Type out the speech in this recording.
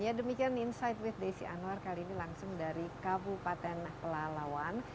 ya demikian insight with desi anwar kali ini langsung dari kabupaten pelalawan